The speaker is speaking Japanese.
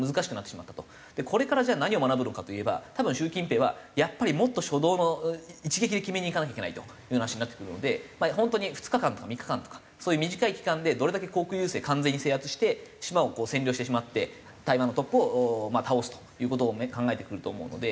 これからじゃあ何を学ぶのかといえば多分習近平はやっぱりもっと初動の一撃で決めにいかなきゃいけないというような話になってくるので本当に２日間とか３日間とかそういう短い期間でどれだけ航空優勢完全に制圧して島をこう占領してしまって台湾のトップを倒すという事を考えてくると思うので。